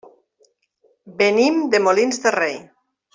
Venim de Molins de Rei.